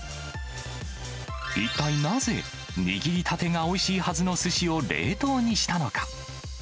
一体なぜ、握りたてがおいしいはずのすしを冷凍にしたのか。